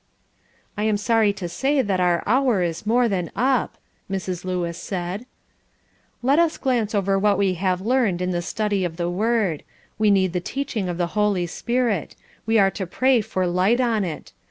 '" "I am sorry to say that our hour is more than up," Mrs. Lewis said. "Let us glance over what we have learned in the study of the Word: We need the teaching of the Holy Spirit. We are to pray for light on it.